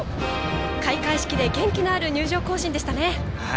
開会式で元気のある入場行進でしたね。